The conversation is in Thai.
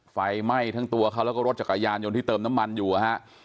ไฟไหม้ทั้งตัวเขาแล้วก็รถจักรยานยนต์ที่เติมน้ำมันอยู่นะฮะ